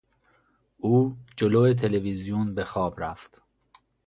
او جلو تلویزیون به خواب رفت.